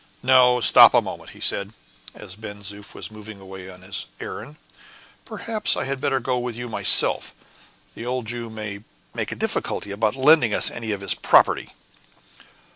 "No, stop a moment," he said, as Ben Zoof was moving away on his, errand; "perhaps I had better go with you myself; the old Jew may make a difficulty about lending us any of his property."